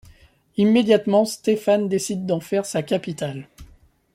Immédiatement Stefan décide d'en faire sa capitale.